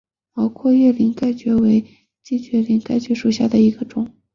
毛阔叶鳞盖蕨为姬蕨科鳞盖蕨属下的一个种。